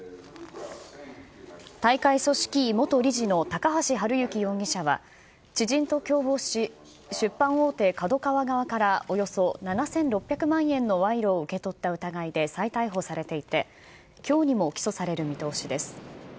大会組織委元理事の高橋治之容疑者は、知人と共謀し、出版大手ＫＡＤＯＫＡＷＡ側からおよそ７６００万円の賄賂を受け取った疑いで再逮捕されていて、きょうにも起訴される見通しです。